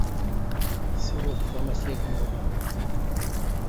Tessirideḍ tuɣmas-ik akken iwata?